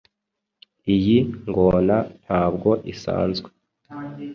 iyi ngona ntabwo isanzwe